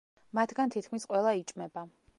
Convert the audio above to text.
მათგან თითქმის ყველა იჭმება.